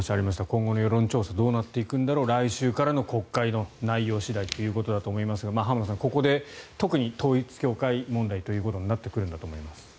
今後の世論調査どうなっていくんだろう来週からの国会の内容次第だと思いますが浜田さん、ここで特に統一教会問題ということになってくるんだろうと思います。